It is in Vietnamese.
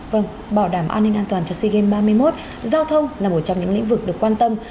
vâng bảo đảm an ninh an toàn cho sea games ba mươi một giao thông là một trong những lĩnh vực được quan tâm